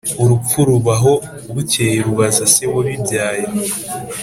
urupfu ruba aho, bukeye rubaza se wabibyaye,